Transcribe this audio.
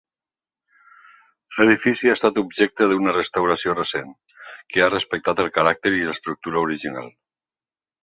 L'edifici ha estat objecte d'una restauració recent que ha respectat el caràcter i l'estructura original.